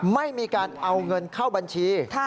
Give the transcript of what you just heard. ไม่มีการเอาเงินเข้าบัญชี